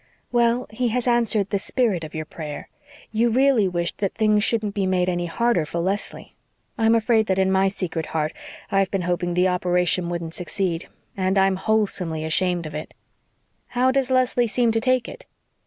"Well, He has answered the spirit of your prayer. You really wished that things shouldn't be made any harder for Leslie. I'm afraid that in my secret heart I've been hoping the operation wouldn't succeed, and I am wholesomely ashamed of it." "How does Leslie seem to take it?"